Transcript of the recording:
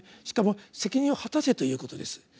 しかも「責任を果たせ」ということです。